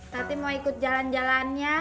tapi mau ikut jalan jalannya